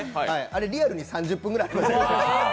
あれリアルに３０分ぐらいありましたよ。